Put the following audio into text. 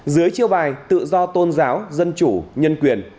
dưới chiêu bài tự do tôn giáo dân chủ nhân quyền